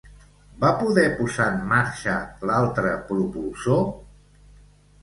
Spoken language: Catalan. Va poder posar en marxa l'altre propulsor?